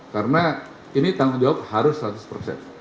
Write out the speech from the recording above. karena ini tanggung jawab harus seratus persen